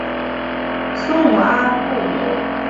苏姆阿布姆巴比伦第一王朝首任国王。